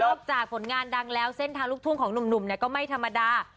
จากผลงานดังแล้วเส้นทางลูกทุ่งของหนุ่มก็ไม่ธรรมดา